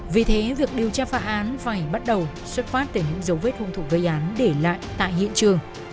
vì thế việc điều tra phá án phải bắt đầu xuất phát từ những dấu vết hung thủ gây án để lại tại hiện trường